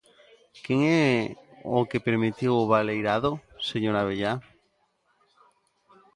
¿Quen é o que permitiu o baleirado, señor Abellá?